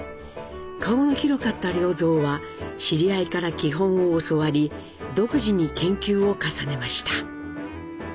顔の広かった良三は知り合いから基本を教わり独自に研究を重ねました。